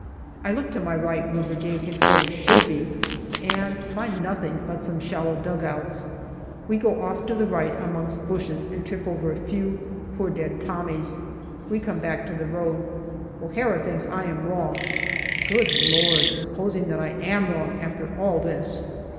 I look to my right, where Brigade H.Q. should be, and find nothing but some shallow dugouts. We go off the road to the right amongst bushes, and trip over a few poor dead Tommies. We come back to the road. O'Hara thinks I am wrong. Good Lord ! supposing that I am wrong after all this